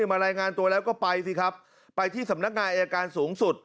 มารายงานตัวแล้วก็ไปสิครับไปที่สำนักงานอายการสูงสุด